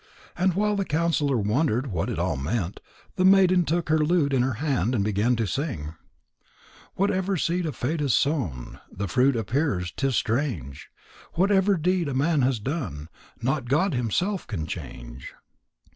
And while the counsellor wondered what it all meant, the maiden took her lute in her hand, and began to sing: Whatever seed of fate is sown, The fruit appears 'tis strange! Whatever deed a man has done, Not God himself can change.